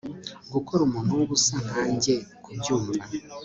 gukora umuntu wubusa nkanjye kubyumva